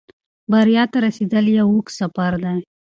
بریا ته رسېدل یو اوږد سفر دی.